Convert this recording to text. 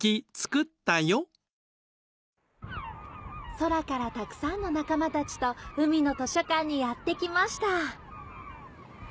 空からたくさんの仲間たちとうみのとしょかんにやってきました